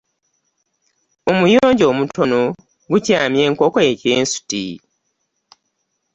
Omuyonjo omutono gukyamya enkoko ekyensuti.